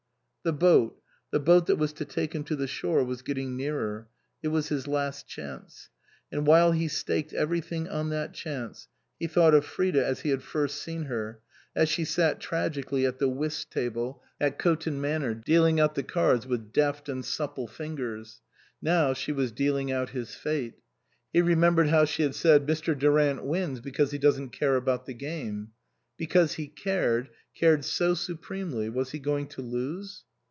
The boat the boat that was to take him to the shore was getting nearer. It was his last chance. And while he staked everything on that chance, he thought of Frida as he had first seen her, as she sat tragically at the whist table 181 THE COSMOPOLITAN at Coton Manor, dealing out the cards with deft and supple fingers. Now she was dealing out his fate. He remembered how she had said, " Mr. Du rant wins because he doesn't care about the game." Because he cared cared so supremely was he going to lose